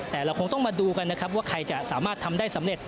แต่เราคงต้องมาดูกันนะครับว่าใครจะสามารถทำได้สำเร็จ